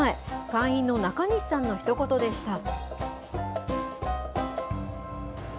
会員の中西さんのひと言でした。